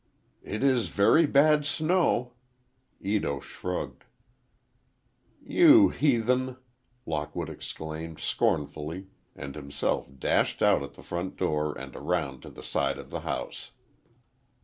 "It is very bad snow—" Ito shrugged. "You heathen!" Lockwood exclaimed, scornfully, and himself dashed out at the front door and around to the side of the house.